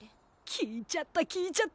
聞いちゃった聞いちゃった。